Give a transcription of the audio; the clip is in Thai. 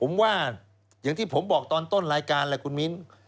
ผมว่าอย่างที่ผมบอกตอนต้นรายการแหละคุณมิ้น